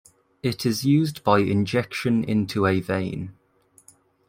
It is used by injection into a vein.